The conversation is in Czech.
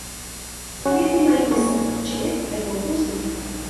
Květy mají deset tyčinek ve dvou kruzích.